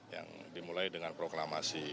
yang dimulai dengan proklamasi